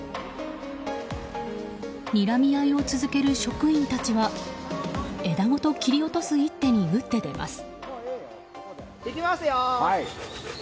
にらみ合いを続ける職員たちは枝ごと切り落とす一手に打って出ます。